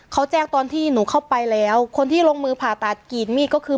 เขาแจ้งตอนที่หนูเข้าไปแล้วคนที่ลงมือผ่าตัดกรีดมีดก็คือ